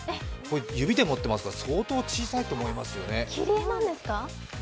指で持っていますが、相当小さいと思いますよね。